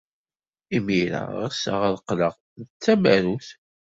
Imir-a, ɣseɣ ad qqleɣ d tamarut.